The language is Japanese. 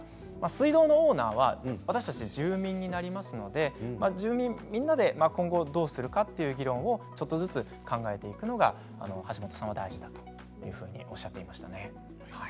水道のオーナーは私たち住民になりますので住民みんなで今後どうするかという議論もちょっとずつ考えていくのが橋本さんは大事だというふうにおっしゃっていましたね。